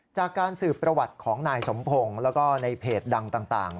จากการสืบประวัติของนายสมพงศ์แล้วก็ในเพจดังต่าง